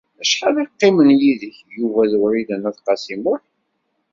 Acḥal i qqimen yid-k Yuba d Wrida n At Qasi Muḥ?